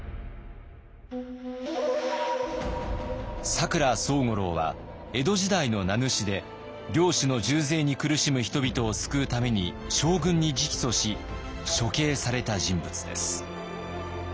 佐倉惣五郎は江戸時代の名主で領主の重税に苦しむ人々を救うために将軍に直訴し処刑された人物です。